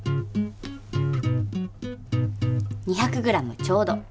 ２００グラムちょうど。